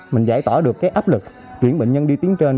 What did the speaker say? mình giải tỏa được cái áp lực chuyển bệnh nhân đi tiếng trên